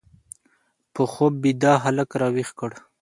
په خوب بیده هلک راویښ کړ